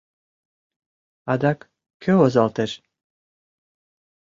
Адак кӧ возалтеш?